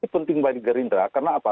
penting bagi gerindra karena apa